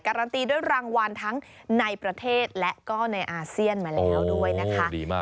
การันตีด้วยรางวัลทั้งในประเทศและก็ในอาเซียนมาแล้วด้วยนะคะดีมาก